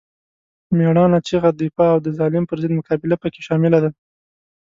مېړانه، چیغه، دفاع او د ظالم پر ضد مقابله پکې شامله ده.